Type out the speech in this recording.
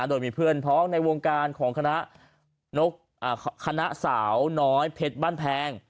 โดยมีเพื่อนพ้องในวงการของคณะสาวน้อยเพชรบ้านแพง